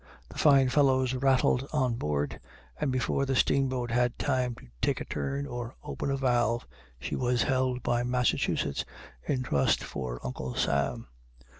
The fine fellows rattled on board, and before the steamboat had time to take a turn or open a valve, she was held by Massachusetts in trust for Uncle Sam.